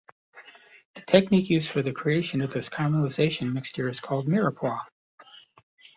The technique used for the creation of this caramelization mixture is called mirepoix.